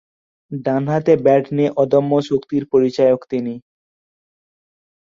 ডানহাতে ব্যাট নিয়ে অদম্য শক্তির পরিচায়ক তিনি।